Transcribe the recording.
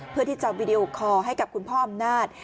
เพื่อที่จะวีดีโอคอร์ให้กับคุณพ่ออำนาจ